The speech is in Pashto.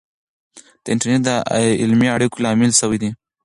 د انټرنیټ د علمي اړیکو لامل سوی دی.